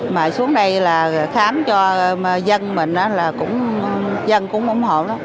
mà xuống đây là khám cho dân mình là cũng dân cũng ủng hộ đó